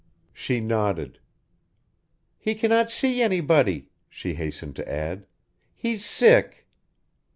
She nodded. "He cannot see anybody," she hastened to add. "He's sick."